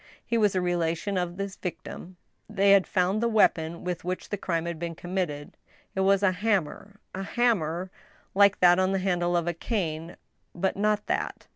He was a relation of his victim. They had found the weapon with which the crime had been committed ; it was a hammer, a hammer 123 '^H^ STEEL HAMMER, like that on the handle of a cane, but not that.